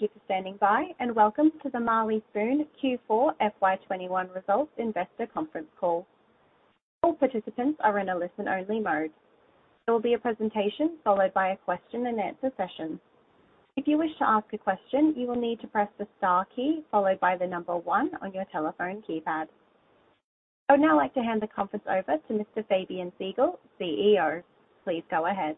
Thank you for standing by and welcome to the Marley Spoon Q4 FY 2021 results investor conference call. All participants are in a listen only mode. There will be a presentation followed by a question-and-answer session. If you wish to ask a question, you will need to press the star key followed by the number one on your telephone keypad. I would now like to hand the conference over to Mr. Fabian Siegel, CEO. Please go ahead.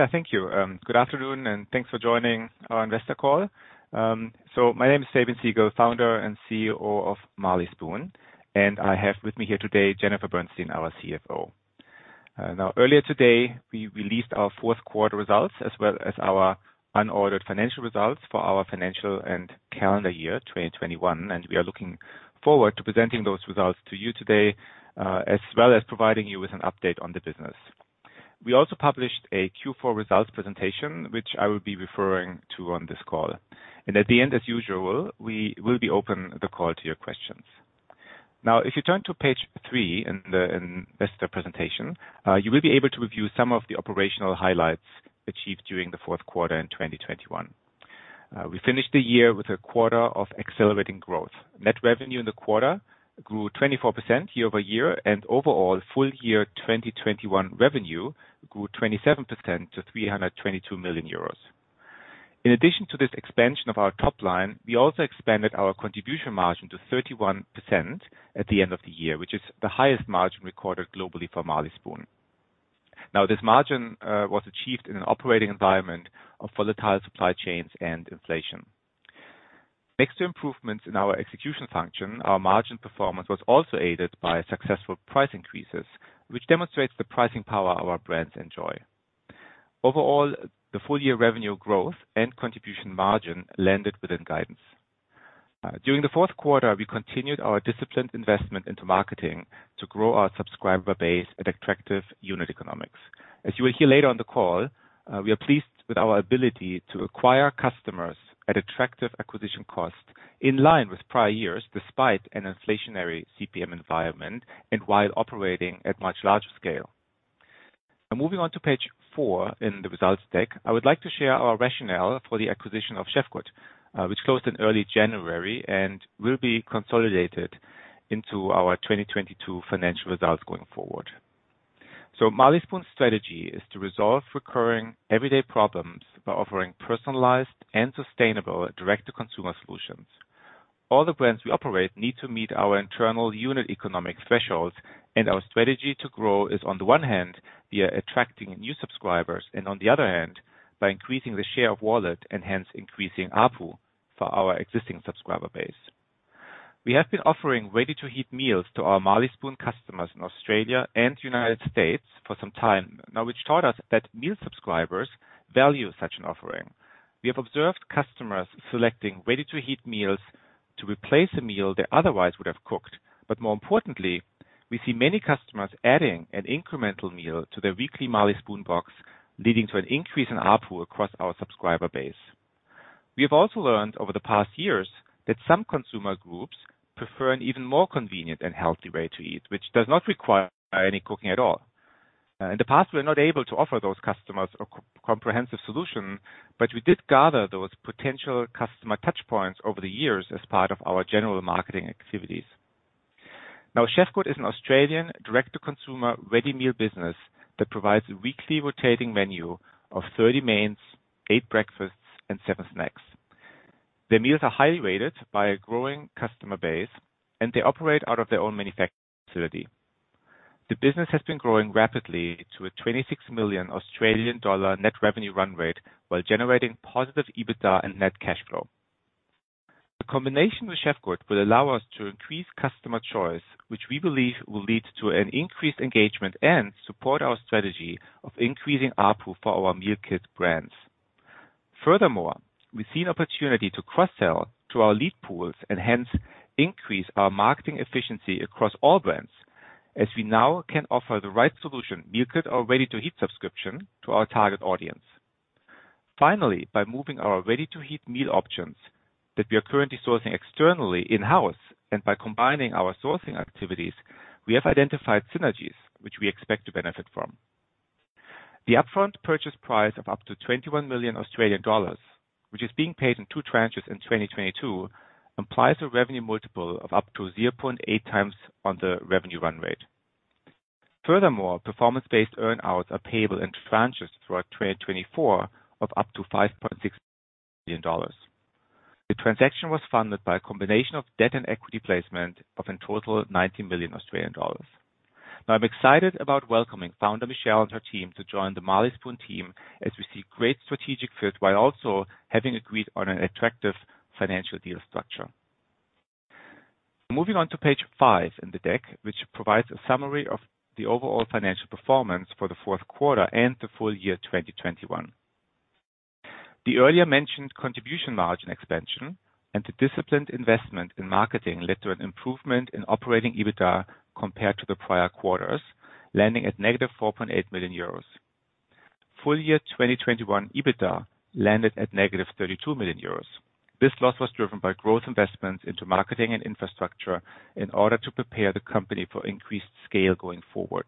Yeah, thank you. Good afternoon and thanks for joining our investor call. So my name is Fabian Siegel, founder and CEO of Marley Spoon. I have with me here today, Jennifer Bernstein, our CFO. Now earlier today, we released our fourth quarter results as well as our unaudited financial results for our financial and calendar year 2021, and we are looking forward to presenting those results to you today, as well as providing you with an update on the business. We also published a Q4 results presentation, which I will be referring to on this call. At the end, as usual, we will open the call to your questions. Now, if you turn to page three in the investor presentation, you will be able to review some of the operational highlights achieved during the fourth quarter in 2021. We finished the year with a quarter of accelerating growth. Net revenue in the quarter grew 24% year-over-year, and overall full year 2021 revenue grew 27% to 322 million euros. In addition to this expansion of our top line, we also expanded our contribution margin to 31% at the end of the year, which is the highest margin recorded globally for Marley Spoon. Now, this margin was achieved in an operating environment of volatile supply chains and inflation. Thanks to improvements in our execution function, our margin performance was also aided by successful price increases, which demonstrates the pricing power our brands enjoy. Overall, the full year revenue growth and contribution margin landed within guidance. During the fourth quarter, we continued our disciplined investment into marketing to grow our subscriber base at attractive unit economics. As you will hear later on the call, we are pleased with our ability to acquire customers at attractive acquisition costs in line with prior years despite an inflationary CPM environment and while operating at much larger scale. Now moving on to page four in the results deck, I would like to share our rationale for the acquisition of Chefgood, which closed in early January and will be consolidated into our 2022 financial results going forward. Marley Spoon's strategy is to resolve recurring everyday problems by offering personalized and sustainable direct to consumer solutions. All the brands we operate need to meet our internal unit economic thresholds, and our strategy to grow is on the one hand, via attracting new subscribers, and on the other hand, by increasing the share of wallet and hence increasing ARPU for our existing subscriber base. We have been offering ready to heat meals to our Marley Spoon customers in Australia and United States for some time now, which taught us that meal subscribers value such an offering. We have observed customers selecting ready to heat meals to replace a meal they otherwise would have cooked. More importantly, we see many customers adding an incremental meal to their weekly Marley Spoon box, leading to an increase in ARPU across our subscriber base. We have also learned over the past years that some consumer groups prefer an even more convenient and healthy way to eat, which does not require any cooking at all. In the past, we were not able to offer those customers a comprehensive solution, but we did gather those potential customer touch points over the years as part of our general marketing activities. Chefgood is an Australian direct to consumer ready meal business that provides a weekly rotating menu of 30 mains, eight breakfasts and seven snacks. Their meals are highly rated by a growing customer base, and they operate out of their own manufacturing facility. The business has been growing rapidly to a 26 million Australian dollar net revenue run rate while generating positive EBITDA and net cash flow. The combination with Chefgood will allow us to increase customer choice, which we believe will lead to an increased engagement and support our strategy of increasing ARPU for our meal kit brands. Furthermore, we see an opportunity to cross-sell to our lead pools and hence increase our marketing efficiency across all brands as we now can offer the right solution, meal kit or ready-to-heat subscription to our target audience. Finally, by moving our ready to heat meal options that we are currently sourcing externally in-house and by combining our sourcing activities, we have identified synergies which we expect to benefit from. The upfront purchase price of up to 21 million Australian dollars, which is being paid in two tranches in 2022, implies a revenue multiple of up to 0.8x on the revenue run rate. Furthermore, performance-based earn outs are payable in tranches throughout 2024 of up to 5.6 million dollars. The transaction was funded by a combination of debt and equity placement of in total 90 million Australian dollars. Now, I'm excited about welcoming founder Michelle and her team to join the Marley Spoon team as we see great strategic fit while also having agreed on an attractive financial deal structure. Moving on to page five in the deck, which provides a summary of the overall financial performance for the fourth quarter and the full year 2021. The earlier mentioned contribution margin expansion and the disciplined investment in marketing led to an improvement in operating EBITDA compared to the prior quarters, landing at -4.8 million euros. Full year 2021 EBITDA landed at -32 million euros. This loss was driven by growth investments into marketing and infrastructure in order to prepare the company for increased scale going forward.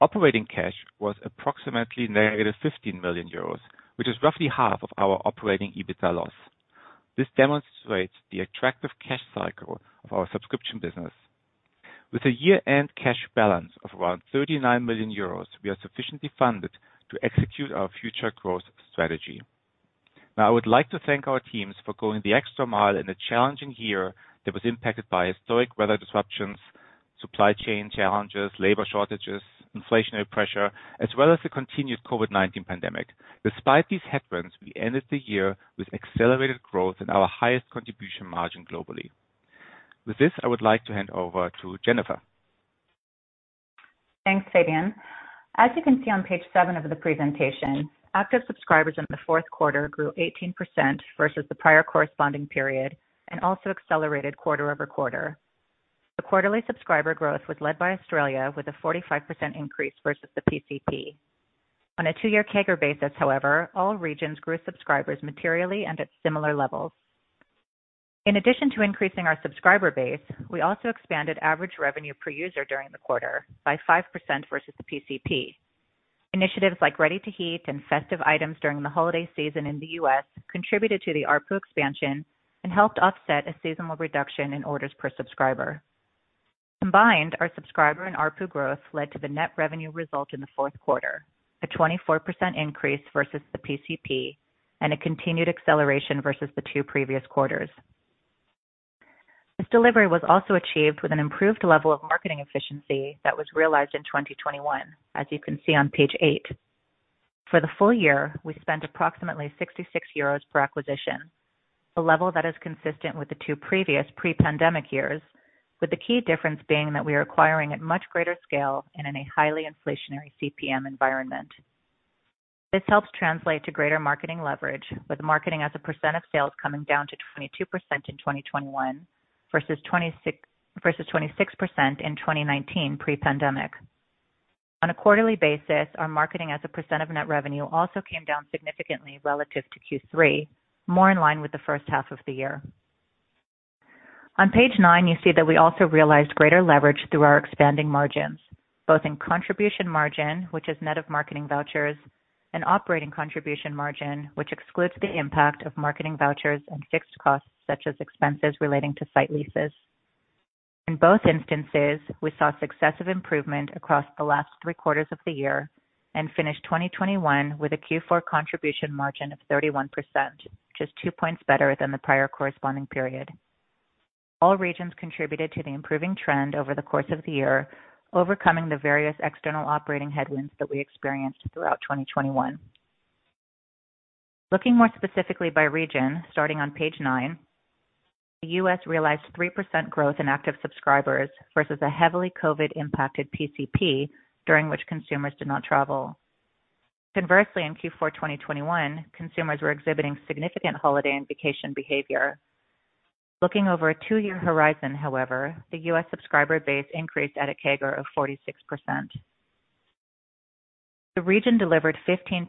Operating cash was approximately -15 million euros, which is roughly half of our operating EBITDA loss. This demonstrates the attractive cash cycle of our subscription business. With a year-end cash balance of around 39 million euros, we are sufficiently funded to execute our future growth strategy. Now, I would like to thank our teams for going the extra mile in a challenging year that was impacted by historic weather disruptions, supply chain challenges, labor shortages, inflationary pressure, as well as the continued COVID-19 pandemic. Despite these headwinds, we ended the year with accelerated growth in our highest contribution margin globally. With this, I would like to hand over to Jennifer. Thanks, Fabian. As you can see on page seven of the presentation, active subscribers in the fourth quarter grew 18% versus the prior corresponding period and also accelerated quarter-over-quarter. The quarterly subscriber growth was led by Australia with a 45% increase versus the PCP. On a two-year CAGR basis, however, all regions grew subscribers materially and at similar levels. In addition to increasing our subscriber base, we also expanded average revenue per user during the quarter by 5% versus the PCP. Initiatives like ready-to-heat and festive items during the holiday season in the U.S. contributed to the ARPU expansion and helped offset a seasonal reduction in orders per subscriber. Combined, our subscriber and ARPU growth led to the net revenue result in the fourth quarter, a 24% increase versus the PCP and a continued acceleration versus the two previous quarters. This delivery was also achieved with an improved level of marketing efficiency that was realized in 2021, as you can see on page eight. For the full year, we spent approximately 66 euros per acquisition, a level that is consistent with the two previous pre-pandemic years, with the key difference being that we are acquiring at much greater scale and in a highly inflationary CPM environment. This helps translate to greater marketing leverage with marketing as a percent of sales coming down to 22% in 2021 versus 26% in 2019 pre-pandemic. On a quarterly basis, our marketing as a percent of net revenue also came down significantly relative to Q3, more in line with the first half of the year. On page nine, you see that we also realized greater leverage through our expanding margins, both in contribution margin, which is net of marketing vouchers, and operating contribution margin, which excludes the impact of marketing vouchers and fixed costs such as expenses relating to site leases. In both instances, we saw successive improvement across the last three quarters of the year and finished 2021 with a Q4 contribution margin of 31%, which is two points better than the prior corresponding period. All regions contributed to the improving trend over the course of the year, overcoming the various external operating headwinds that we experienced throughout 2021. Looking more specifically by region, starting on page nine, the U.S. realized 3% growth in active subscribers versus a heavily COVID-19 impacted PCP during which consumers did not travel. Conversely, in Q4 2021, consumers were exhibiting significant holiday and vacation behavior. Looking over a two-year horizon, however, the U.S. subscriber base increased at a CAGR of 46%. The region delivered 15%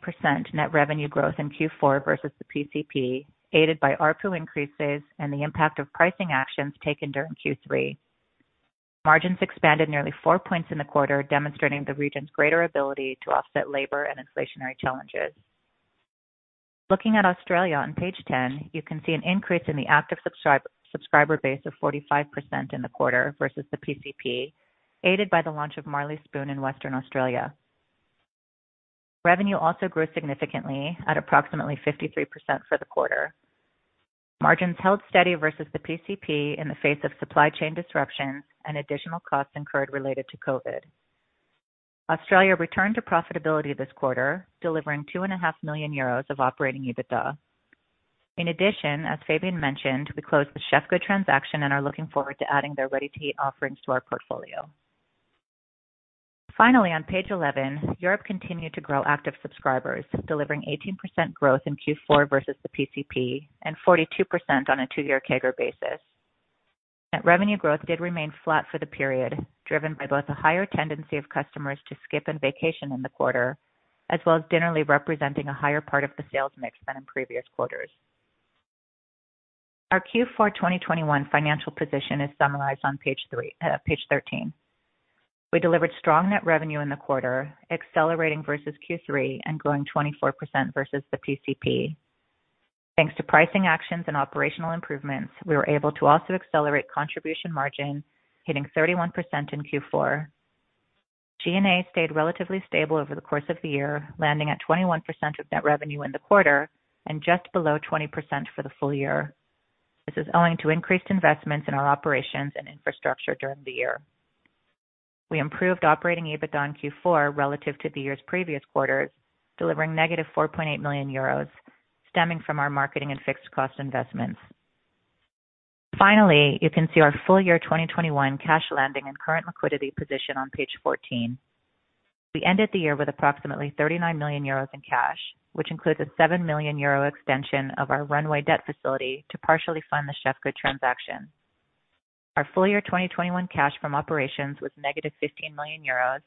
net revenue growth in Q4 versus the PCP, aided by ARPU increases and the impact of pricing actions taken during Q3. Margins expanded nearly four points in the quarter, demonstrating the region's greater ability to offset labor and inflationary challenges. Looking at Australia on page 10, you can see an increase in the active subscriber base of 45% in the quarter versus the PCP, aided by the launch of Marley Spoon in Western Australia. Revenue also grew significantly at approximately 53% for the quarter. Margins held steady versus the PCP in the face of supply chain disruptions and additional costs incurred related to COVID. Australia returned to profitability this quarter, delivering 2.5 million euros of operating EBITDA. In addition, as Fabian mentioned, we closed the Chefgood transaction and are looking forward to adding their ready-to-eat offerings to our portfolio. Finally, on page 11, Europe continued to grow active subscribers, delivering 18% growth in Q4 versus the PCP and 42% on a two-year CAGR basis. Net revenue growth did remain flat for the period, driven by both a higher tendency of customers to skip and vacation in the quarter as well as Dinnerly representing a higher part of the sales mix than in previous quarters. Our Q4 2021 financial position is summarized on page three, page 13. We delivered strong net revenue in the quarter, accelerating versus Q3 and growing 24% versus the PCP. Thanks to pricing actions and operational improvements, we were able to also accelerate contribution margin, hitting 31% in Q4. G&A stayed relatively stable over the course of the year, landing at 21% of net revenue in the quarter and just below 20% for the full year. This is owing to increased investments in our operations and infrastructure during the year. We improved operating EBITDA in Q4 relative to the year's previous quarters, delivering -4.8 million euros stemming from our marketing and fixed cost investments. Finally, you can see our full year 2021 cash landing and current liquidity position on page 14. We ended the year with approximately 39 million euros in cash, which includes a 7 million euro extension of our Runway debt facility to partially fund the Chefgood transaction. Our full year 2021 cash from operations was -15 million euros,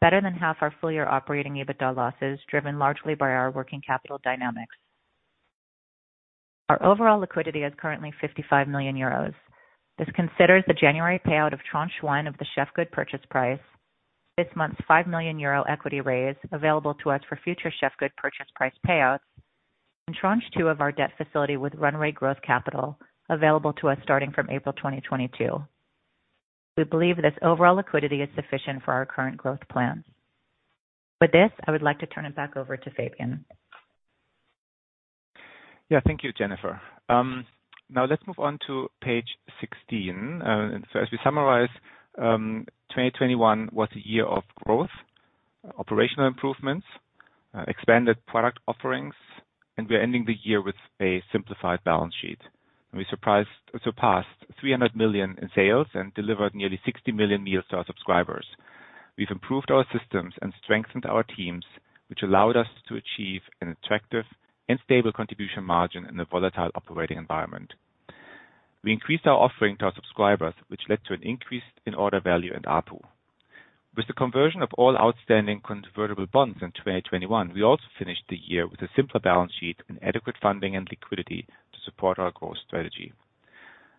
better than half our full year operating EBITDA losses, driven largely by our working capital dynamics. Our overall liquidity is currently 55 million euros. This considers the January payout of tranche one of the Chefgood purchase price. This month's 5 million euro equity raise available to us for future Chefgood purchase price payouts, and tranche two of our debt facility with Runway Growth Capital available to us starting from April 2022. We believe this overall liquidity is sufficient for our current growth plans. With this, I would like to turn it back over to Fabian. Yeah, thank you, Jennifer. Now let's move on to page 16. As we summarize, 2021 was a year of growth, operational improvements, expanded product offerings, and we're ending the year with a simplified balance sheet. We surpassed 300 million in sales and delivered nearly 60 million meals to our subscribers. We've improved our systems and strengthened our teams, which allowed us to achieve an attractive and stable contribution margin in a volatile operating environment. We increased our offering to our subscribers, which led to an increase in order value and ARPU. With the conversion of all outstanding convertible bonds in 2021, we also finished the year with a simpler balance sheet and adequate funding and liquidity to support our growth strategy.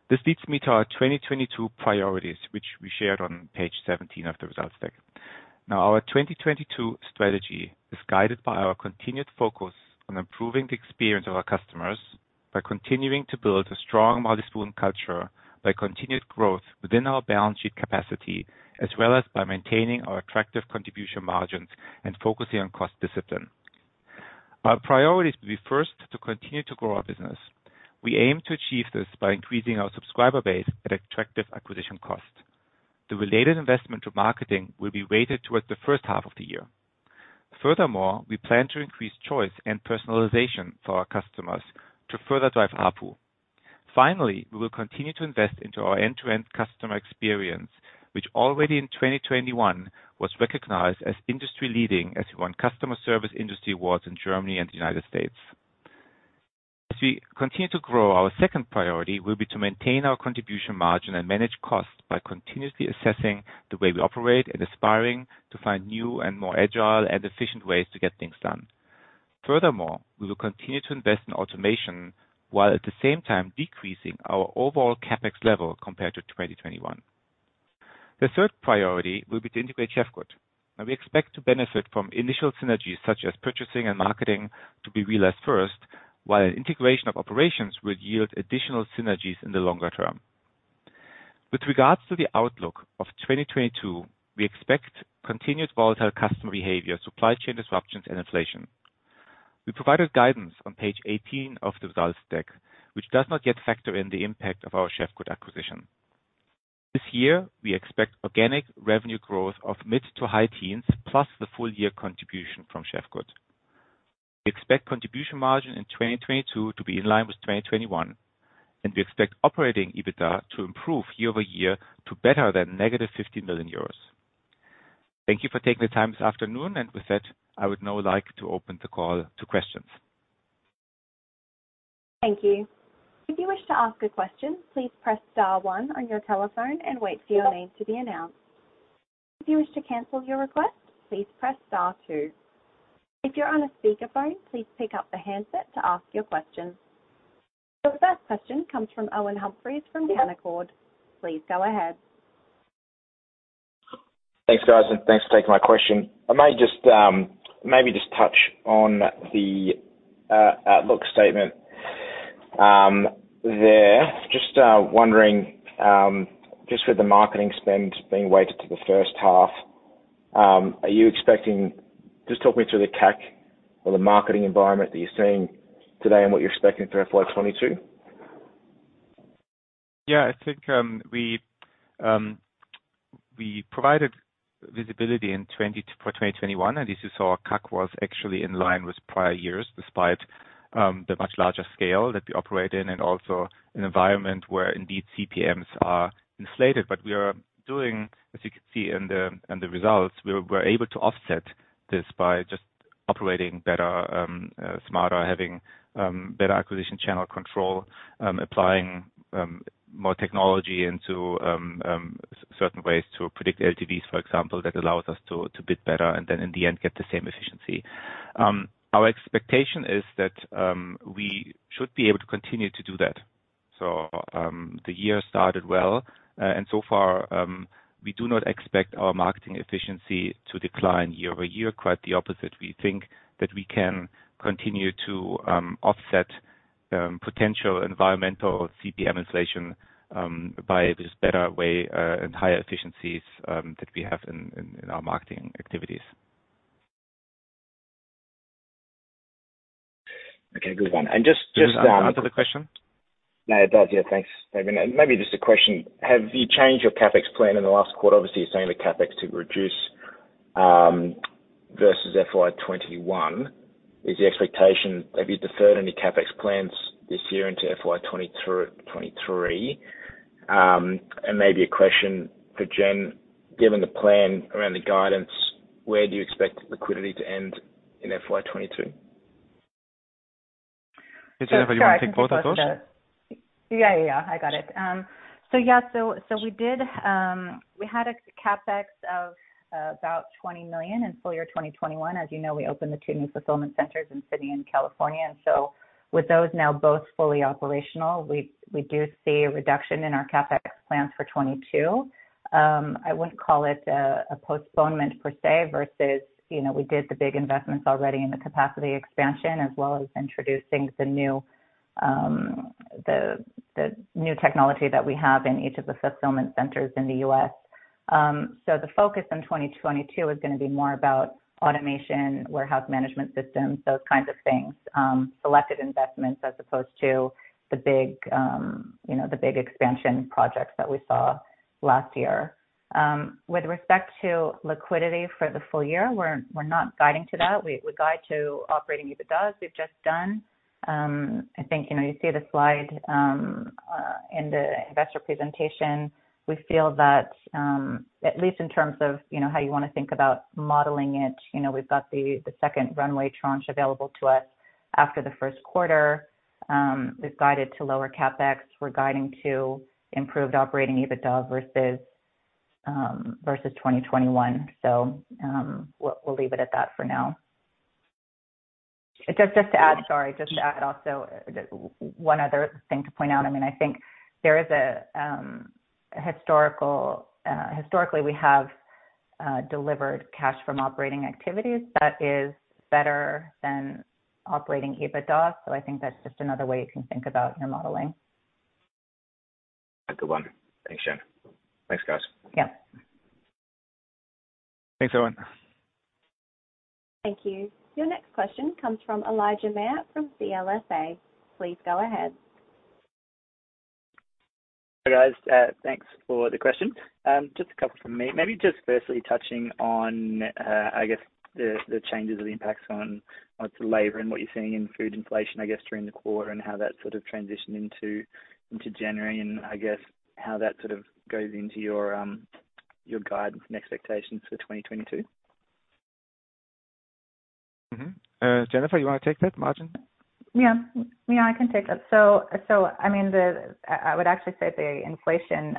This leads me to our 2022 priorities, which we shared on page 17 of the results deck. Now, our 2022 strategy is guided by our continued focus on improving the experience of our customers by continuing to build a strong multi-local culture, by continued growth within our balance sheet capacity, as well as by maintaining our attractive contribution margins and focusing on cost discipline. Our priorities will be first to continue to grow our business. We aim to achieve this by increasing our subscriber base at attractive acquisition cost. The related investment to marketing will be weighted towards the first half of the year. Furthermore, we plan to increase choice and personalization for our customers to further drive ARPU. Finally, we will continue to invest into our end-to-end customer experience, which already in 2021 was recognized as industry leading as we won customer service industry awards in Germany and the United States. As we continue to grow, our second priority will be to maintain our contribution margin and manage costs by continuously assessing the way we operate and aspiring to find new and more agile and efficient ways to get things done. Furthermore, we will continue to invest in automation, while at the same time decreasing our overall CapEx level compared to 2021. The third priority will be to integrate Chefgood, and we expect to benefit from initial synergies such as purchasing and marketing to be realized first, while an integration of operations will yield additional synergies in the longer term. With regards to the outlook of 2022, we expect continuous volatile customer behavior, supply chain disruptions and inflation. We provided guidance on page 18 of the results deck, which does not yet factor in the impact of our Chefgood acquisition. This year, we expect organic revenue growth of mid- to high-10s plus the full year contribution from Chefgood. We expect contribution margin in 2022 to be in line with 2021, and we expect operating EBITDA to improve year-over-year to better than -50 million euros. Thank you for taking the time this afternoon, and with that, I would now like to open the call to questions. The first question comes from Owen Humphries from Canaccord. Please go ahead. Thanks, guys, and thanks for taking my question. I might just maybe just touch on the outlook statement there. Just wondering just with the marketing spend being weighted to the first half. Just talk me through the CAC or the marketing environment that you're seeing today and what you're expecting through FY 2022. Yeah, I think we provided visibility in 2021, and this is our CAC was actually in line with prior years despite the much larger scale that we operate in and also an environment where indeed CPMs are inflated. We are doing, as you can see in the results, we're able to offset this by just operating better, smarter, having better acquisition channel control, applying more technology into certain ways to predict LTVs, for example, that allows us to bid better and then in the end get the same efficiency. Our expectation is that we should be able to continue to do that. The year started well, and so far we do not expect our marketing efficiency to decline year-over-year. Quite the opposite. We think that we can continue to offset potential environmental CPM inflation by this better way and higher efficiencies that we have in our marketing activities. Okay. Good one. Just Does that answer the question? No, it does. Yeah. Thanks, Fabian. Maybe just a question: Have you changed your CapEx plan in the last quarter? Obviously, you're saying the CapEx to reduce versus FY 2021. Have you deferred any CapEx plans this year into FY 2022-2023? Maybe a question for Jen: Given the plan around the guidance, where do you expect liquidity to end in FY 2022? Jennifer, do you want to take both of those? Yeah, yeah, I got it. We had a CapEx of about $20 million in full year 2021. As you know, we opened two new fulfillment centers in Sydney and California. With those now both fully operational, we do see a reduction in our CapEx plans for 2022. I wouldn't call it a postponement per se versus you know we did the big investments already in the capacity expansion as well as introducing the new technology that we have in each of the fulfillment centers in the U.S. The focus in 2022 is gonna be more about automation, warehouse management systems, those kinds of things, selected investments as opposed to the big you know the big expansion projects that we saw last year. With respect to liquidity for the full year, we're not guiding to that. We guide to operating EBITDA as we've just done. I think, you know, you see the slide in the investor presentation. We feel that, at least in terms of, you know, how you wanna think about modeling it, you know, we've got the second runway tranche available to us after the first quarter. We've guided to lower CapEx. We're guiding to improved operating EBITDA versus 2021. We'll leave it at that for now. Just to add also one other thing to point out, I mean, I think there is a historical. Historically we have delivered cash from operating activities that is better than operating EBITDA. I think that's just another way you can think about your modeling. Good one. Thanks, Jen. Thanks, guys. Yep. Thanks, everyone. Thank you. Your next question comes from Elijah Mayr from CLSA. Please go ahead. Hi, guys. Thanks for the question. Just a couple from me. Maybe just firstly touching on the changes or the impacts on labor and what you're seeing in food inflation, I guess, during the quarter and how that sort of transitioned into January and I guess how that sort of goes into your guidance and expectations for 2022. Jennifer, you wanna take that margin? Yeah. Yeah, I can take that. I mean, I would actually say the inflation,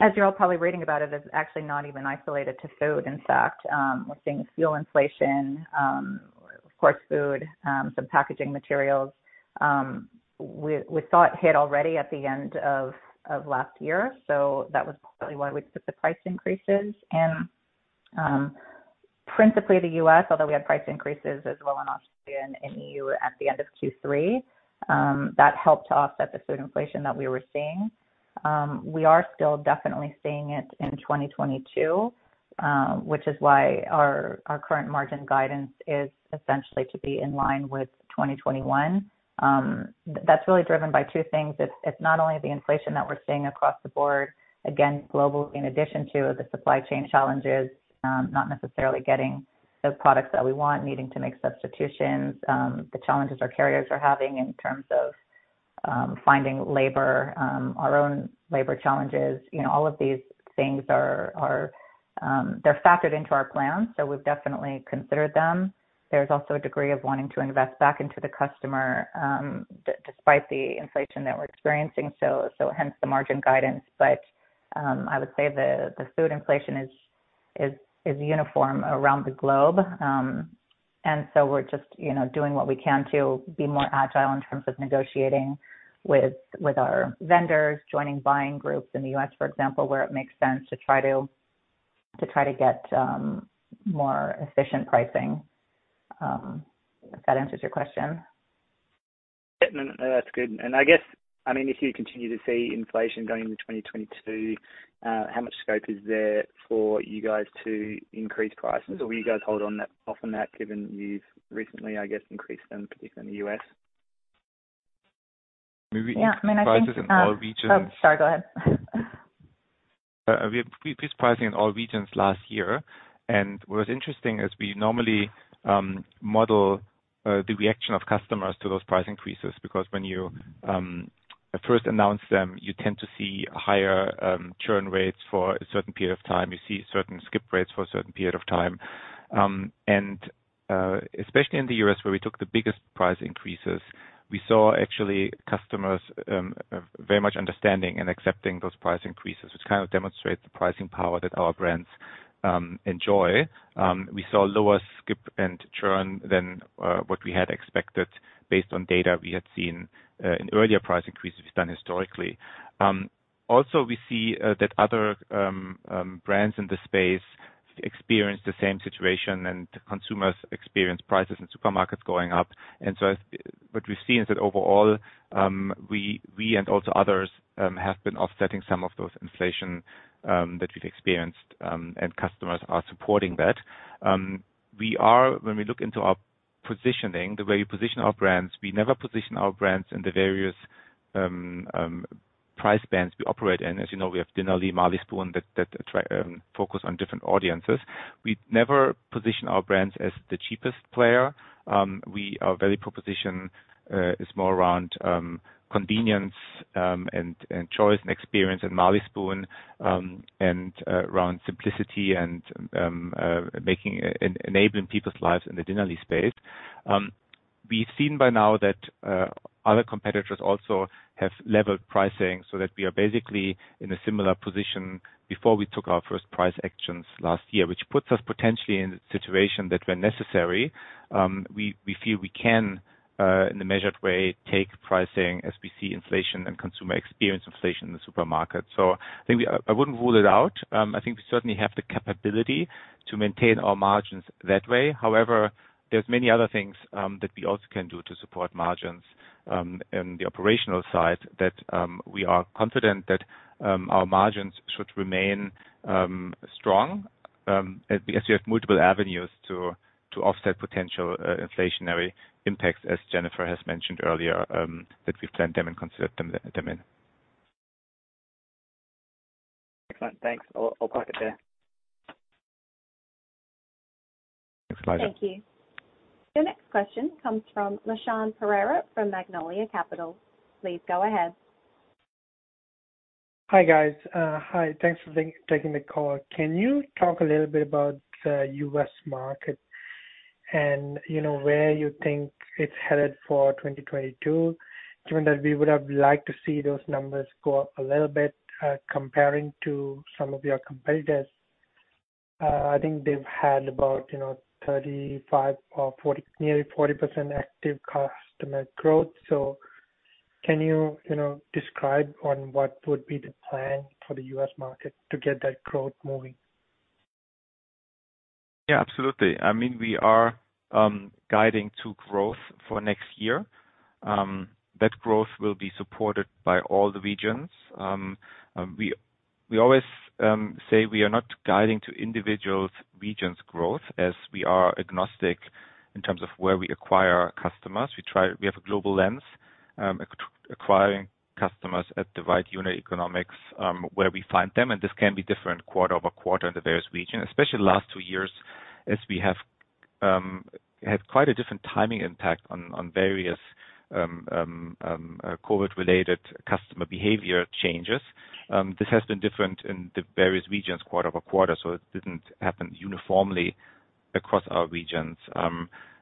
as you're all probably reading about it, is actually not even isolated to food, in fact. We're seeing fuel inflation, of course food, some packaging materials. We saw it hit already at the end of last year, so that was partly why we took the price increases in principally the U.S., although we had price increases as well in Australia and E.U. at the end of Q3. That helped to offset the food inflation that we were seeing. We are still definitely seeing it in 2022, which is why our current margin guidance is essentially to be in line with 2021. That's really driven by two things. It's not only the inflation that we're seeing across the board, again, globally, in addition to the supply chain challenges, not necessarily getting the products that we want, needing to make substitutions, the challenges our carriers are having in terms of finding labor, our own labor challenges. You know, all of these things are factored into our plans, so we've definitely considered them. There's also a degree of wanting to invest back into the customer, despite the inflation that we're experiencing, so hence the margin guidance. I would say the food inflation is uniform around the globe. We're just, you know, doing what we can to be more agile in terms of negotiating with our vendors, joining buying groups in the U.S., for example, where it makes sense to try to get more efficient pricing. If that answers your question. Yeah. No, no, that's good. I guess, I mean, if you continue to see inflation going into 2022, how much scope is there for you guys to increase prices? Or will you guys hold off on that given you've recently, I guess, increased them, particularly in the U.S.? We increased prices in all regions. Oh, sorry, go ahead. We increased pricing in all regions last year. What was interesting is we normally model the reaction of customers to those price increases because when you first announce them, you tend to see higher churn rates for a certain period of time. You see certain skip rates for a certain period of time. Especially in the U.S. where we took the biggest price increases, we saw actually customers very much understanding and accepting those price increases, which kind of demonstrates the pricing power that our brands enjoy. We saw lower skip and churn than what we had expected based on data we had seen in earlier price increases we've done historically. We see that other brands in the space experience the same situation and consumers experience prices in supermarkets going up. What we've seen is that overall, we and also others have been offsetting some of those inflation that we've experienced, and customers are supporting that. When we look into our positioning, the way we position our brands, we never position our brands in the various price bands we operate in. As you know, we have Dinnerly, Marley Spoon that try to focus on different audiences. We never position our brands as the cheapest player. Our value proposition is more around convenience and choice and experience in Marley Spoon, and around simplicity and enabling people's lives in the Dinnerly space. We've seen by now that other competitors also have leveled pricing so that we are basically in a similar position before we took our first price actions last year, which puts us potentially in the situation that when necessary, we feel we can in a measured way take pricing as we see inflation and consumer experience inflation in the supermarket. I think I wouldn't rule it out. I think we certainly have the capability to maintain our margins that way. However, there's many other things that we also can do to support margins in the operational side that we are confident that our margins should remain strong as we have multiple avenues to offset potential inflationary impacts, as Jennifer has mentioned earlier, that we've planned them and considered them in. Excellent. Thanks. I'll park it there. Thanks, Elijah Mayr. Thank you. Your next question comes from [Nishant Pereira] from Magnolia Capital. Please go ahead. Hi, guys. Hi. Thanks for taking the call. Can you talk a little bit about the U.S. market and, you know, where you think it's headed for 2022, given that we would have liked to see those numbers go up a little bit, comparing to some of your competitors? I think they've had about, you know, 35 or 40, nearly 40% active customer growth. Can you know, describe on what would be the plan for the U.S. market to get that growth moving? Yeah, absolutely. I mean, we are guiding to growth for next year. That growth will be supported by all the regions. We always say we are not guiding to individual regions growth as we are agnostic in terms of where we acquire our customers. We have a global lens, acquiring customers at the right unit economics, where we find them, and this can be different quarter over quarter in the various regions. Especially the last two years as we have had quite a different timing impact on various COVID-19 related customer behavior changes. This has been different in the various regions quarter over quarter, so it didn't happen uniformly across our regions.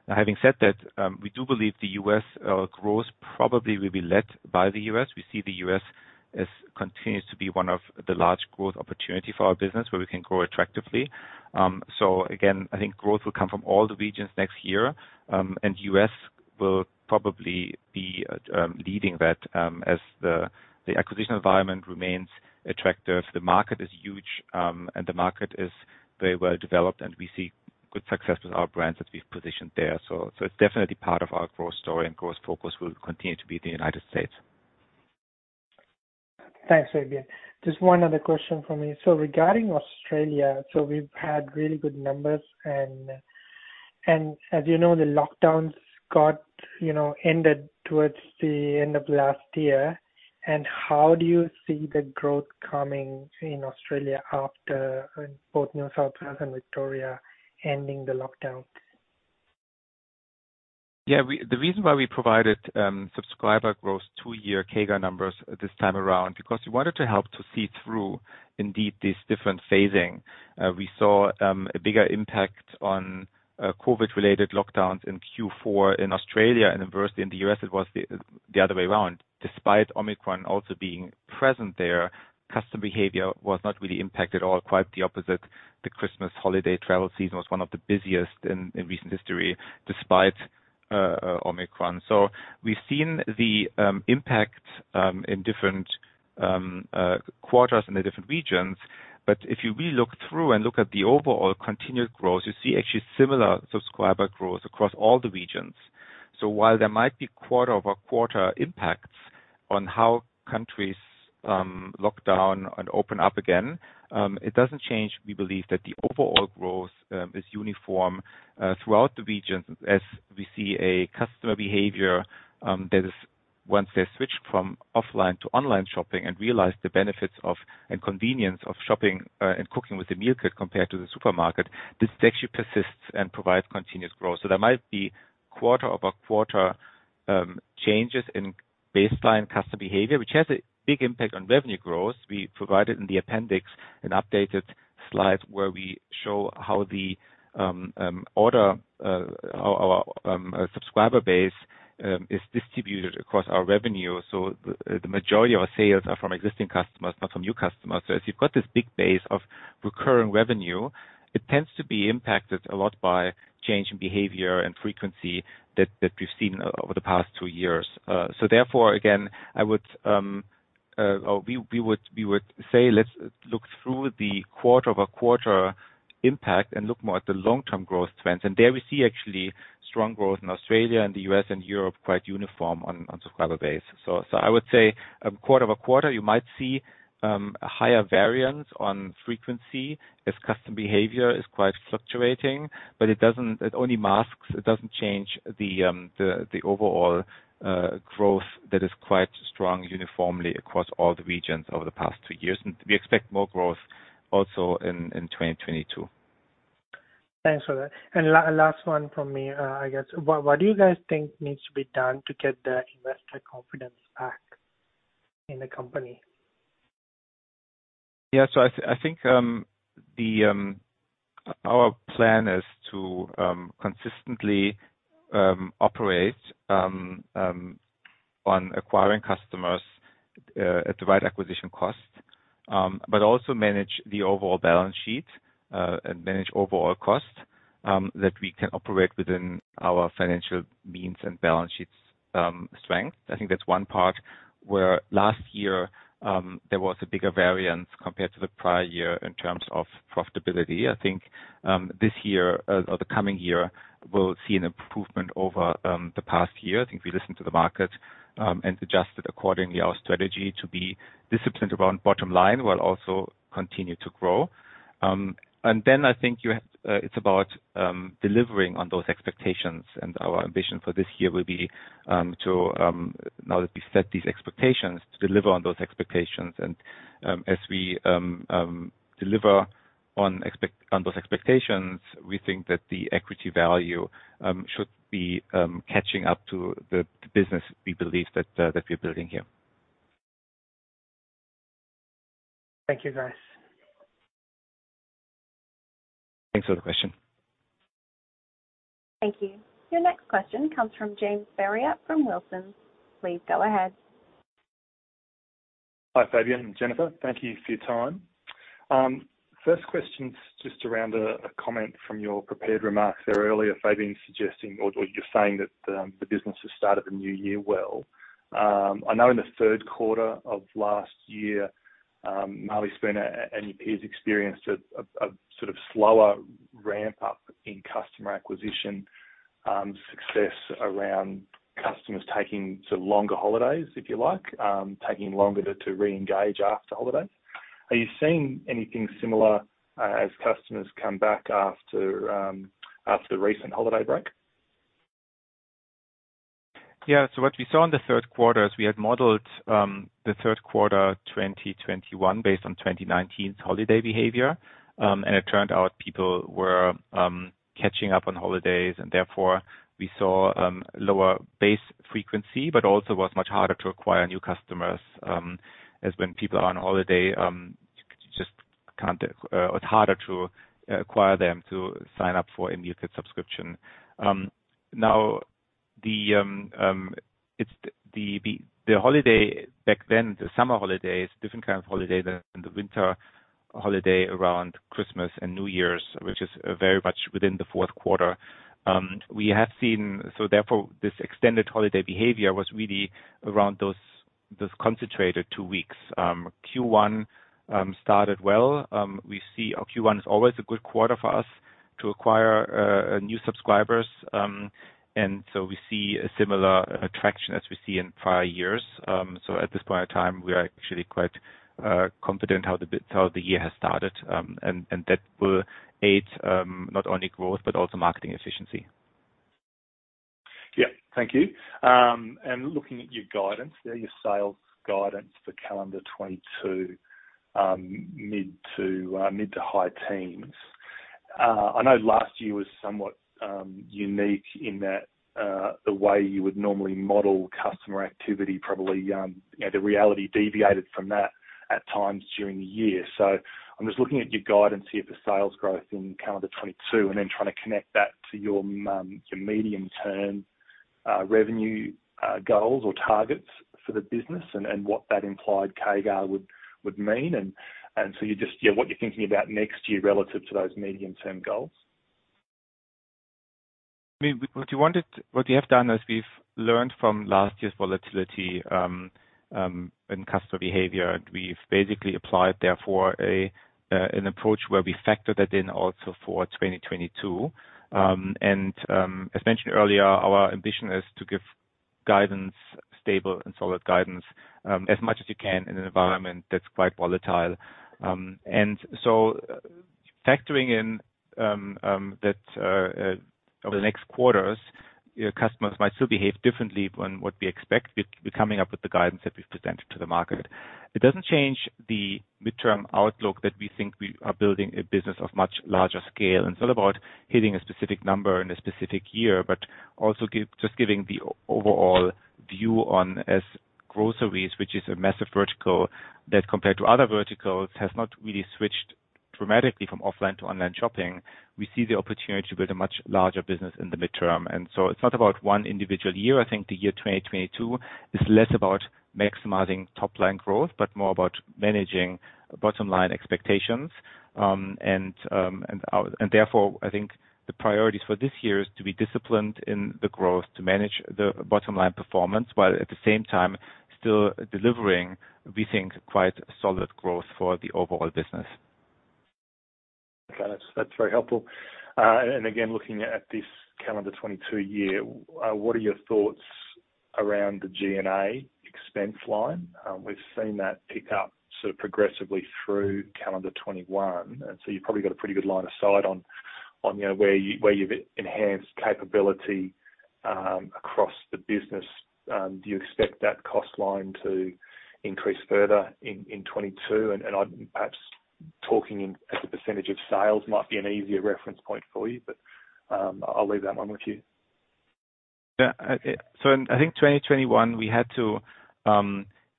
Having said that, we do believe the U.S. growth probably will be led by the U.S. We see the U.S. as continuing to be one of the large growth opportunities for our business where we can grow attractively. Again, I think growth will come from all the regions next year, and U.S. will probably be leading that, as the acquisition environment remains attractive. The market is huge, and the market is very well developed, and we see good success with our brands that we've positioned there. It's definitely part of our growth story and growth focus will continue to be the United States. Thanks, Fabian. Just one other question from me. Regarding Australia, so we've had really good numbers and as you know, the lockdowns got, you know, ended towards the end of last year. How do you see the growth coming in Australia after both New South Wales and Victoria ending the lockdown? Yeah. The reason why we provided subscriber growth two-year CAGR numbers this time around, because we wanted to help to see through indeed this different phasing. We saw a bigger impact on COVID related lockdowns in Q4 in Australia and inversely in the U.S. it was the other way around. Despite Omicron also being present there, customer behavior was not really impacted at all. Quite the opposite. The Christmas holiday travel season was one of the busiest in recent history, despite Omicron. We've seen the impact in different quarters in the different regions. If you really look through and look at the overall continued growth, you see actually similar subscriber growth across all the regions. While there might be quarter-over-quarter impacts on how countries lock down and open up again, it doesn't change, we believe, that the overall growth is uniform throughout the regions as we see a customer behavior that is once they switch from offline to online shopping and realize the benefits of and convenience of shopping and cooking with a meal kit compared to the supermarket, this actually persists and provides continuous growth. There might be quarter-over-quarter changes in baseline customer behavior, which has a big impact on revenue growth. We provided in the appendix an updated slide where we show how our subscriber base is distributed across our revenue. The majority of our sales are from existing customers, not from new customers. As you've got this big base of recurring revenue, it tends to be impacted a lot by change in behavior and frequency that we've seen over the past two years. We would say, let's look through the quarter-over-quarter impact and look more at the long-term growth trends. There we see actually strong growth in Australia and the U.S. and Europe, quite uniform on subscriber base. I would say, quarter-over-quarter, you might see a higher variance on frequency as customer behavior is quite fluctuating. It only masks, it doesn't change the overall growth that is quite strong uniformly across all the regions over the past two years. We expect more growth also in 2022. Thanks for that. Last one from me, I guess. What do you guys think needs to be done to get the investor confidence back in the company? I think our plan is to consistently operate on acquiring customers at the right acquisition cost, but also manage the overall balance sheet and manage overall cost that we can operate within our financial means and balance sheets strength. I think that's one part where last year there was a bigger variance compared to the prior year in terms of profitability. I think this year or the coming year will see an improvement over the past year. I think we listened to the market and adjusted accordingly our strategy to be disciplined around bottom line while also continue to grow. It's about delivering on those expectations, and our ambition for this year will be, now that we've set these expectations, to deliver on those expectations. As we deliver on those expectations, we think that the equity value should be catching up to the business we believe that we're building here. Thank you, guys. Thanks for the question. Thank you. Your next question comes from James Ferrier from Wilsons. Please go ahead. Hi, Fabian and Jennifer. Thank you for your time. First question is just around a comment from your prepared remarks there earlier, Fabian, suggesting or you're saying that the business has started the new year well. I know in the third quarter of last year, Marley Spoon and your peers experienced a sort of slower ramp up in customer acquisition success around customers taking sort of longer holidays, if you like, taking longer to reengage after holidays. Are you seeing anything similar, as customers come back after the recent holiday break? Yeah. What we saw in the third quarter is we had modeled the third quarter 2021 based on 2019's holiday behavior. It turned out people were catching up on holidays, and therefore we saw lower base frequency but also was much harder to acquire new customers, as when people are on holiday, you just can't, it's harder to acquire them to sign up for a new kit subscription. Now, the holiday back then, the summer holiday is different kind of holiday than the winter holiday around Christmas and New Year's, which is very much within the fourth quarter. We have seen. Therefore, this extended holiday behavior was really around those concentrated two weeks. Q1 started well. We see our Q1 is always a good quarter for us to acquire new subscribers. We see a similar attraction as we see in prior years. At this point in time, we are actually quite confident how the year has started. That will aid not only growth but also marketing efficiency. Yeah. Thank you. Looking at your guidance there, your sales guidance for calendar 2022, mid- to high-10s. I know last year was somewhat unique in that the way you would normally model customer activity, probably, you know, the reality deviated from that at times during the year. I'm just looking at your guidance here for sales growth in calendar 2022 and then trying to connect that to your medium-term revenue goals or targets for the business and what that implied CAGR would mean. You just, you know, what you're thinking about next year relative to those medium-term goals. I mean, what we have done is we've learned from last year's volatility and customer behavior. We've basically applied therefore an approach where we factor that in also for 2022. As mentioned earlier, our ambition is to give guidance, stable and solid guidance, as much as you can in an environment that's quite volatile. Factoring in that over the next quarters, your customers might still behave differently than what we expect, we're coming up with the guidance that we've presented to the market. It doesn't change the midterm outlook that we think we are building a business of much larger scale, and it's all about hitting a specific number in a specific year, but also just giving the overall view on groceries, which is a massive vertical that compared to other verticals, has not really switched dramatically from offline to online shopping. We see the opportunity to build a much larger business in the midterm. It's not about one individual year. I think the year 2022 is less about maximizing top line growth, but more about managing bottom line expectations. Therefore I think the priorities for this year is to be disciplined in the growth, to manage the bottom line performance, while at the same time still delivering, we think, quite solid growth for the overall business. Okay. That's very helpful. Again, looking at this calendar 2022 year, what are your thoughts around the G&A expense line? We've seen that pick up sort of progressively through calendar 2021. You've probably got a pretty good line of sight on, you know, where you've enhanced capability across the business. Do you expect that cost line to increase further in 2022? Perhaps talking in as a percentage of sales might be an easier reference point for you. I'll leave that one with you. I think 2021, we had to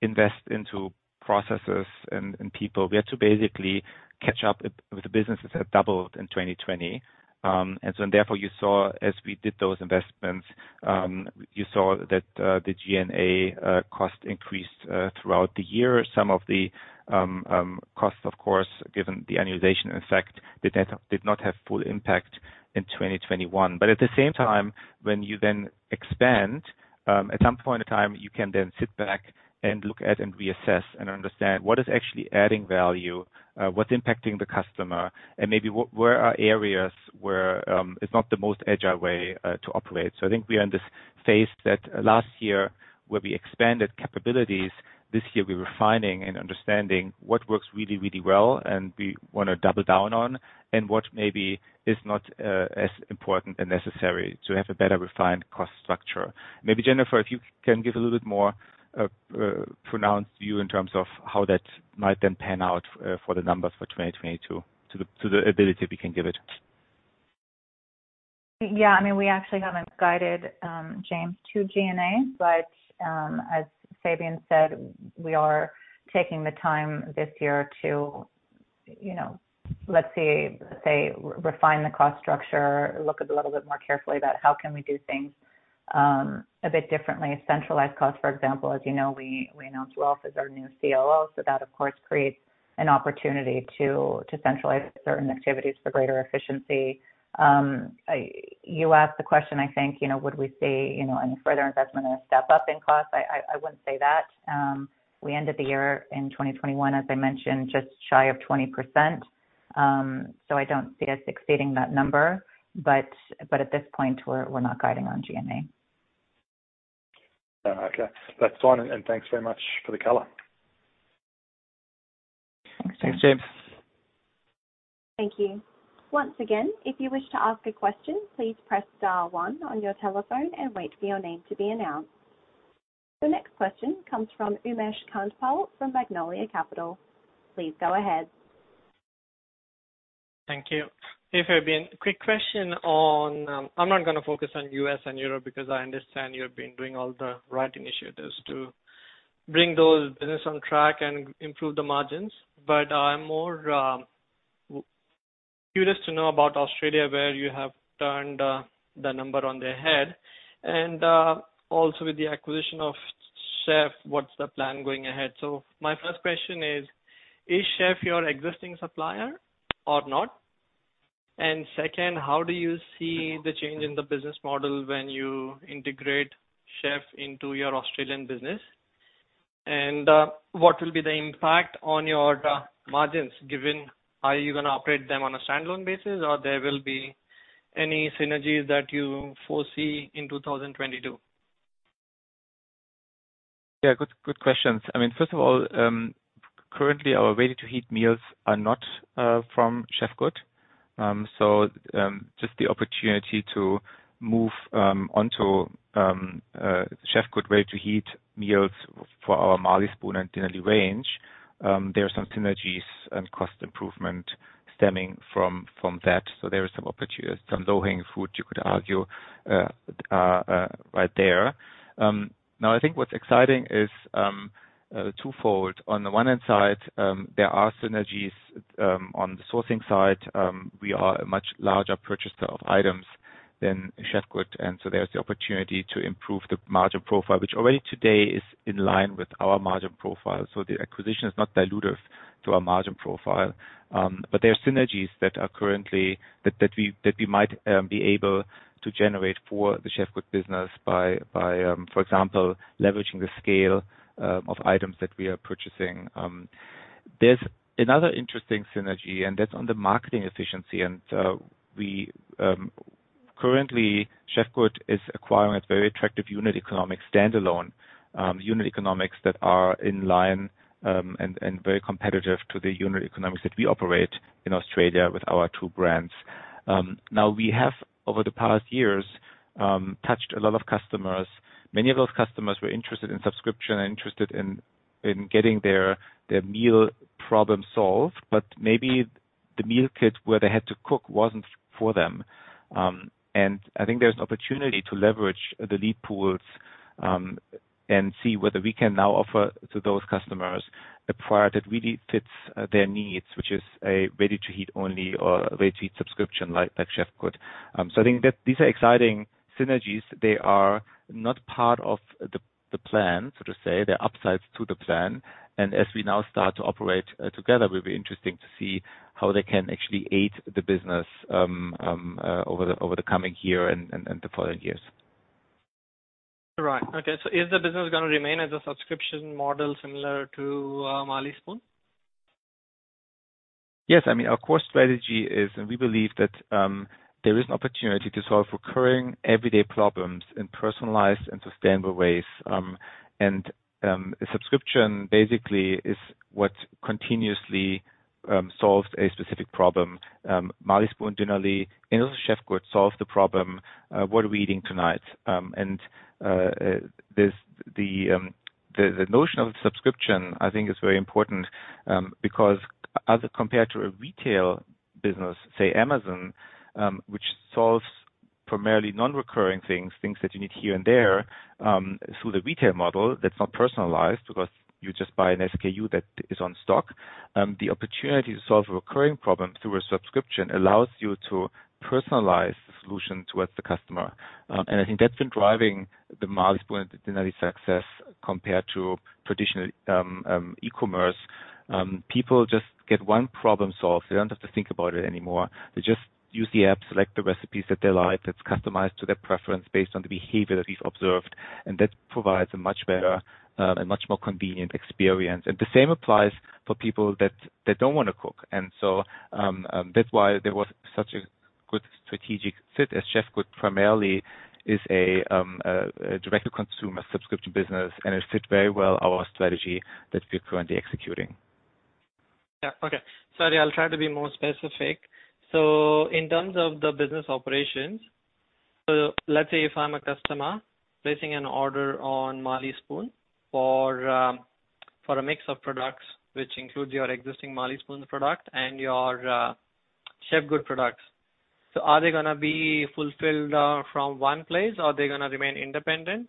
invest into processes and people. We had to basically catch up with the businesses that doubled in 2020. You saw as we did those investments, you saw that the G&A cost increased throughout the year. Some of the costs, of course, given the annualization effect, the data did not have full impact in 2021. But at the same time, when you then expand, at some point in time, you can then sit back and look at and reassess and understand what is actually adding value, what's impacting the customer, and maybe where are areas where, it's not the most agile way to operate. I think we are in this phase that last year, where we expanded capabilities, this year we're refining and understanding what works really, really well and we wanna double down on, and what maybe is not as important and necessary to have a better refined cost structure. Maybe Jennifer, if you can give a little bit more pronounced view in terms of how that might then pan out for the numbers for 2022 to the ability we can give it. I mean, we actually haven't guided, James, to G&A, but as Fabian said, we are taking the time this year to, you know, let's say, refine the cost structure, look a little bit more carefully about how we can do things a bit differently. Centralized cost, for example, as you know, we announced Rolf as our new COO, so that, of course, creates an opportunity to centralize certain activities for greater efficiency. You asked the question, I think, you know, would we see, you know, any further investment or a step up in cost? I wouldn't say that. We ended the year in 2021, as I mentioned, just shy of 20%. So I don't see us exceeding that number. At this point, we're not guiding on G&A. Oh, okay. That's fine, and thanks very much for the color. Thanks, James. Thank you. Once again, if you wish to ask a question, please press star one on your telephone and wait for your name to be announced. The next question comes from [Umesh Kantpal] from Magnolia Capital. Please go ahead. Thank you. Hey, Fabian. Quick question on. I'm not gonna focus on U.S. and Europe because I understand you've been doing all the right initiatives to bring those business on track and improve the margins. I'm more curious to know about Australia, where you have turned the number on their head. Also with the acquisition of Chefgood, what's the plan going ahead? My first question is Chefgood your existing supplier or not? And second, how do you see the change in the business model when you integrate Chefgood into your Australian business? What will be the impact on your margins given, are you gonna operate them on a standalone basis, or there will be any synergies that you foresee in 2022? Yeah. Good questions. I mean, first of all, currently our ready-to-heat meals are not from Chefgood. Just the opportunity to move onto Chefgood ready-to-heat meals for our Marley Spoon and Dinnerly range. There are some synergies and cost improvement stemming from that. There is some opportunities, some low-hanging fruit you could argue right there. Now I think what's exciting is twofold. On the one hand side, there are synergies on the sourcing side. We are a much larger purchaser of items than Chefgood, and so there's the opportunity to improve the margin profile, which already today is in line with our margin profile. The acquisition is not dilutive to our margin profile. There are synergies that we might be able to generate for the Chefgood business by, for example, leveraging the scale of items that we are purchasing. There's another interesting synergy, that's on the marketing efficiency. We currently, Chefgood is acquiring a very attractive unit economic standalone unit economics that are in line and very competitive to the unit economics that we operate in Australia with our two brands. Now we have over the past years touched a lot of customers. Many of those customers were interested in subscription and interested in getting their meal problem solved. Maybe the meal kit where they had to cook wasn't for them. I think there's opportunity to leverage the lead pools, and see whether we can now offer to those customers a product that really fits their needs, which is a ready-to-heat only or ready-to-heat subscription like Chefgood. I think that these are exciting synergies. They are not part of the plan, so to say. They're upsides to the plan. As we now start to operate together, it will be interesting to see how they can actually aid the business over the coming year and the following years. Right. Okay. Is the business gonna remain as a subscription model similar to Marley Spoon? Yes. I mean, our core strategy is we believe that there is an opportunity to solve recurring everyday problems in personalized and sustainable ways. A subscription basically is what continuously solves a specific problem. Marley Spoon, Dinnerly, and also Chefgood solve the problem, what are we eating tonight. The notion of subscription, I think, is very important, because as compared to a retail business, say Amazon, which solves primarily non-recurring things that you need here and there, so the retail model that's not personalized because you just buy an SKU that is on stock. The opportunity to solve a recurring problem through a subscription allows you to personalize the solution towards the customer. I think that's been driving the Marley Spoon's success compared to traditional e-commerce. People just get one problem solved. They don't have to think about it anymore. They just use the app, select the recipes that they like, that's customized to their preference based on the behavior that is observed, and that provides a much better, a much more convenient experience. The same applies for people that don't wanna cook. That's why there was such a good strategic fit as Chefgood primarily is a direct-to-consumer subscription business, and it fit very well our strategy that we're currently executing. Yeah. Okay. Sorry, I'll try to be more specific. In terms of the business operations, so let's say if I'm a customer placing an order on Marley Spoon for a mix of products, which includes your existing Marley Spoon product and your Chefgood products. Are they gonna be fulfilled from one place, or are they gonna remain independent?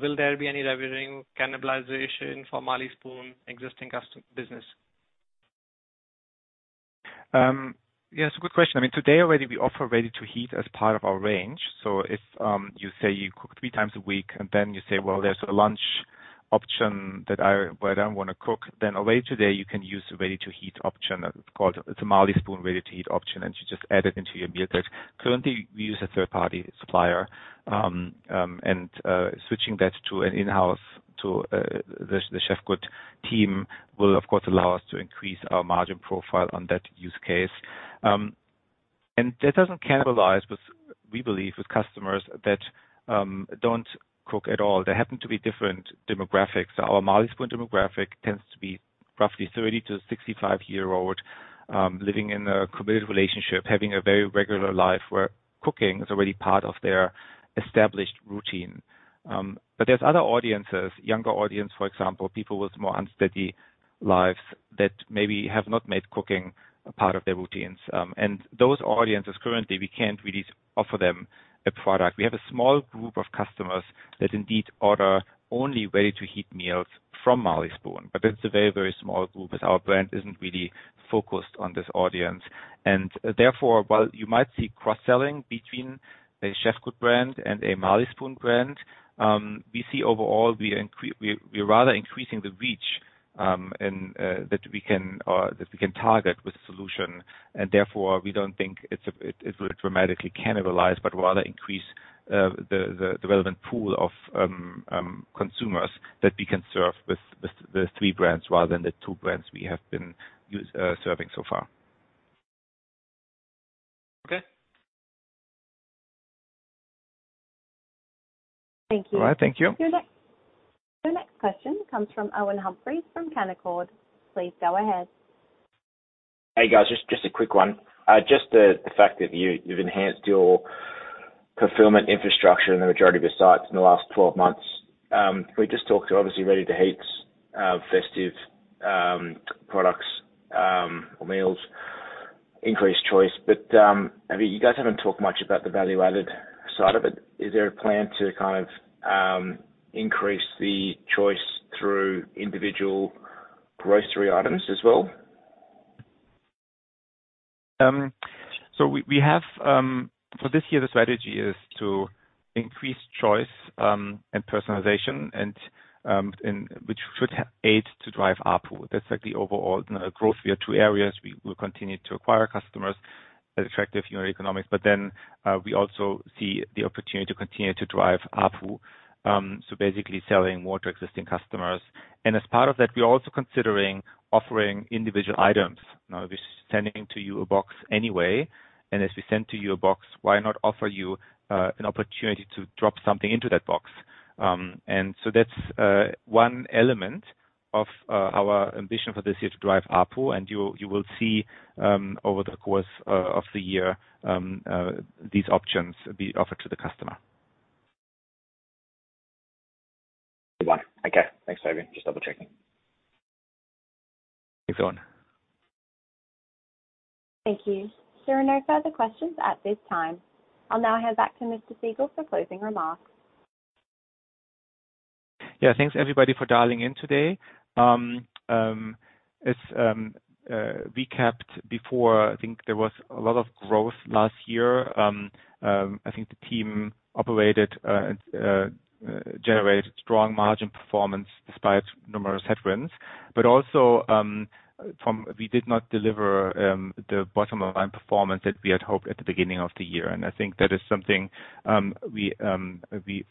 Will there be any revenue cannibalization for Marley Spoon existing customer business? Yeah, it's a good question. I mean, today already we offer ready-to-heat as part of our range. If you say you cook 3x a week and then you say, well, there's a lunch option where I don't wanna cook, then later today you can use ready-to-heat option. It's called the Marley Spoon ready-to-heat option, and you just add it into your meal kit. Currently, we use a third-party supplier, and switching that to an in-house Chefgood team will of course allow us to increase our margin profile on that use case. And that doesn't cannibalize with, we believe, customers that don't cook at all. They happen to be different demographics. Our Marley Spoon demographic tends to be roughly 30-65-year-old, living in a committed relationship, having a very regular life where cooking is already part of their established routine. But there's other audiences, younger audience, for example, people with more unsteady lives that maybe have not made cooking a part of their routines. And those audiences currently, we can't really offer them a product. We have a small group of customers that indeed order only ready-to-heat meals from Marley Spoon, but it's a very, very small group as our brand isn't really focused on this audience. And therefore, while you might see cross-selling between a Chefgood brand and a Marley Spoon brand, we see overall we rather increasing the reach, and that we can target with solution. We don't think it will dramatically cannibalize, but rather increase the relevant pool of consumers that we can serve with the three brands rather than the two brands we have been serving so far. Okay. Thank you. All right. Thank you. Your next question comes from Owen Humphries from Canaccord. Please go ahead. Hey, guys. Just a quick one. Just the fact that you've enhanced your fulfillment infrastructure in the majority of your sites in the last 12 months. We just talked about obviously ready-to-heats, festive products or meals, increased choice. I mean, you guys haven't talked much about the value-added side of it. Is there a plan to kind of increase the choice through individual grocery items as well? This year the strategy is to increase choice and personalization, which should aid to drive ARPU. That's like the overall growth. We have two areas. We will continue to acquire economical customers. We also see the opportunity to continue to drive ARPU, so basically selling more to existing customers. As part of that, we're also considering offering individual items. Now, we're sending to you a box anyway, and as we send to you a box, why not offer you an opportunity to drop something into that box? That's one element of our ambition for this year to drive ARPU. You will see over the course of the year these options be offered to the customer. Good one. Okay. Thanks, Fabian. Just double-checking. Thanks, Owen. Thank you. There are no further questions at this time. I'll now hand back to Mr. Siegel for closing remarks. Yeah. Thanks, everybody, for dialing in today. As we recapped before, I think there was a lot of growth last year. I think the team generated strong margin performance despite numerous headwinds. We did not deliver the bottom-line performance that we had hoped at the beginning of the year. I think that is something we've planned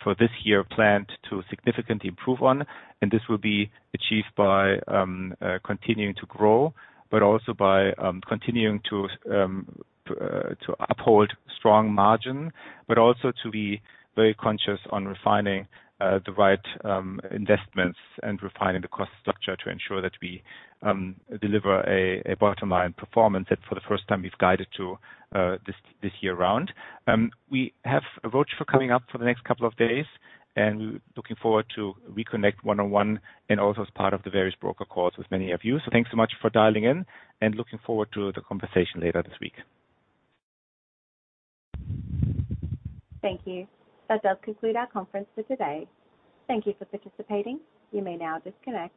for this year to significantly improve on. This will be achieved by continuing to grow, but also by continuing to uphold strong margin, but also to be very conscious of refining the right investments and refining the cost structure to ensure that we deliver a bottom-line performance that for the first time we've guided to this year. We have a roadshow coming up for the next couple of days, and we're looking forward to reconnect one-on-one and also as part of the various broker calls with many of you. Thanks so much for dialing in, and looking forward to the conversation later this week. Thank you. That does conclude our conference for today. Thank you for participating. You may now disconnect.